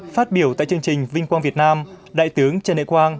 phát biểu tại chương trình vinh quang việt nam đại tướng trần đại quang